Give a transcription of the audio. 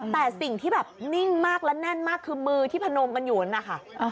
แต่สิ่งที่แบบนิ่งมากและแน่นมากคือมือที่พนมกันอยู่นั่นนะคะ